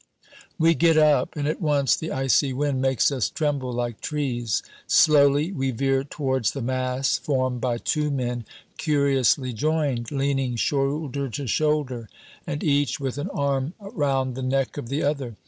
We get up, and at once the icy wind makes us tremble like trees. Slowly we veer towards the mass formed by two men curiously joined, leaning shoulder to shoulder, and each with an arm round the neck of the other.